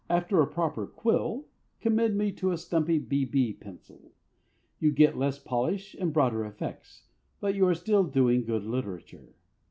After a proper quill commend me to a stumpy BB pencil; you get less polish and broader effects, but you are still doing good literature.